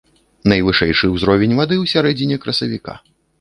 Найвышэйшы ўзровень вады ў сярэдзіне красавіка.